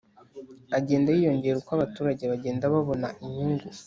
agenda yiyongera uko abaturage bagenda babona inyungu.